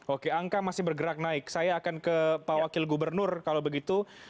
oke angka masih bergerak naik saya akan ke pak wakil gubernur kalau begitu